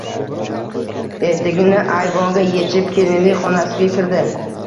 Etigini ayvonga yechib, kelinlik xonasiga kirdi.